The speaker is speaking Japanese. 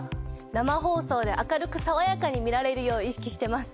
生放送で明るくさわやかに見られるよう意識してます。